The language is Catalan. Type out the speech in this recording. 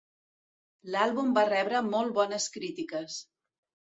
L'àlbum va rebre molt bones crítiques.